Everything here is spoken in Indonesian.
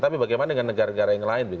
tapi bagaimana dengan negara negara yang lain